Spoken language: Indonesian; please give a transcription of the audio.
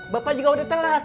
bapak juga udah telat